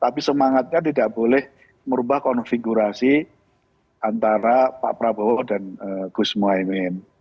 tapi semangatnya tidak boleh merubah konfigurasi antara pak prabowo dan gus muhaymin